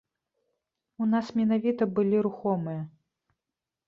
У нас менавіта былі рухомыя.